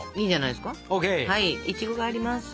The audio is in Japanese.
いちごがあります！